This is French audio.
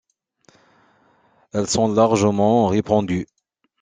Elles sont largement répandues.